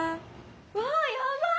うわっやばい！